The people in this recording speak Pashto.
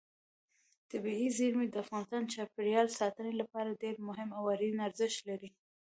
طبیعي زیرمې د افغانستان د چاپیریال ساتنې لپاره ډېر مهم او اړین ارزښت لري.